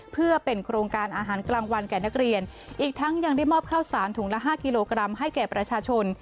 เพื่อเป็นโครงการอาหารกลางวันแก่นักเรียนอีกทั้งยังได้มอบข้าวสารถุงละ๕กิโลกรัมให้แก่ประชาชน